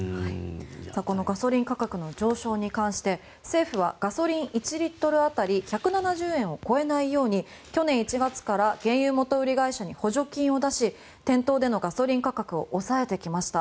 そのガソリン価格の上昇に関して政府は１リットル当たり１７１円を超えないよう原油元売り会社に補助金を出し店頭でのガソリン価格を抑えてきました。